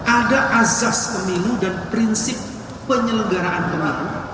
ada azas pemilu dan prinsip penyelenggaraan pemilu